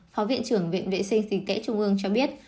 phó viện trưởng viện vệ sinh dịch tễ trung ương cho biết